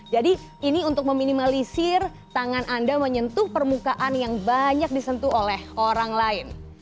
jadi ini untuk meminimalisir tangan anda menyentuh permukaan yang banyak disentuh oleh orang lain